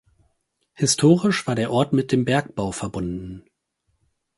Historisch war der Ort mit dem Bergbau verbunden.